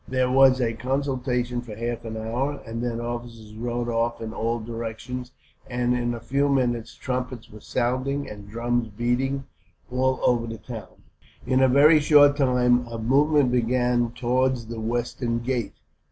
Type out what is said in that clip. There was a consultation for half an hour, and then officers rode off in all directions; and in a few minutes trumpets were sounding, and drums beating, all over the town. "In a very short time a movement began towards the western gate.